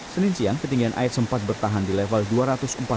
senin siang ketinggian air sempat bertahan di level dua ratus empat puluh